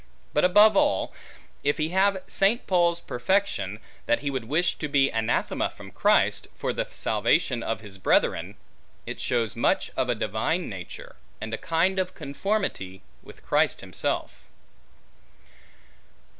But above all, if he have St. Paul's perfection, that he would wish to be anathema from Christ, for the salvation of his brethren, it shows much of a divine nature, and a kind of conformity with Christ himself.